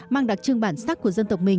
mang đặc trưng bản sắc của dân tộc mình